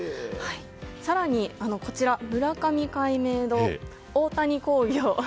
更に、こちら、村上開明堂大谷工業。